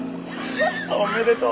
ハハおめでとう。